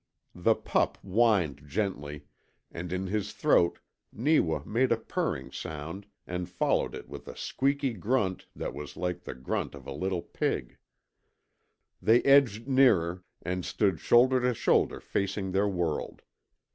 The pup whined gently, and in his throat Neewa made a purring sound and followed it with a squeaky grunt that was like the grunt of a little pig. They edged nearer, and stood shoulder to shoulder facing their world.